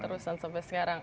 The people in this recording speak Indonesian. keterusan sampai sekarang